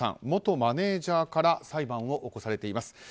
元マネジャーから裁判を起こされています。